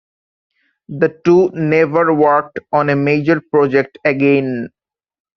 The two never worked on a major project again.